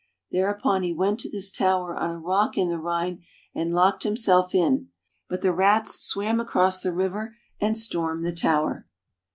Thereupon he went to this tower on a rock in the Rhine, and locked himself in. But the rats swam across the river and stormed the tower.